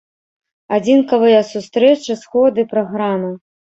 Адзінкавыя сустрэчы, сходы, праграмы.